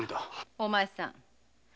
お前さん。